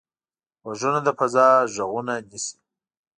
غوږونه د فضا غږونه نیسي